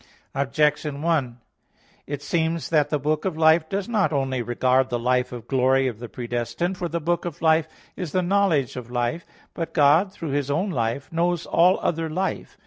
Objection 1: It seems that the book of life does not only regard the life of glory of the predestined. For the book of life is the knowledge of life. But God, through His own life, knows all other life.